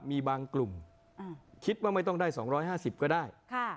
มีบางกลุ่มคิดว่าไม่ต้องได้๒๕๐ก็ได้